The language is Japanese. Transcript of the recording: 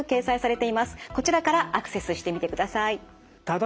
こちらからアクセスしてみてください。